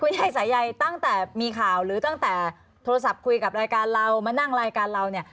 ยายสายใยตั้งแต่มีข่าวหรือตั้งแต่โทรศัพท์คุยกับรายการเรามานั่งรายการเราเนี่ย